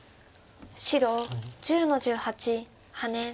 白１０の十八ハネ。